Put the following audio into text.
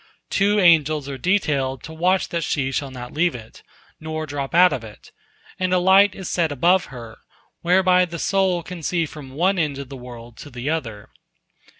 Two angels are detailed to watch that she shall not leave it, nor drop out of it, and a light is set above her, whereby the soul can see from one end of the world to the other.